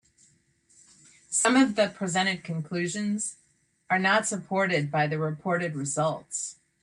Some of the presented conclusions are not supported by the reported results.